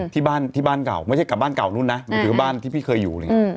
ที่บ้านเก่าไม่ใช่บ้านเก่านู้นนะมันคือบ้านที่พี่เคยอยู่เลยไง